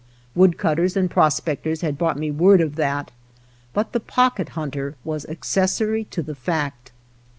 Woodcutters and prospectors had brought me word of that, but the Pocket Hunter was accessory to the fact.